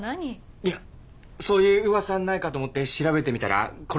いやそういう噂ないかと思って調べてみたらこれ。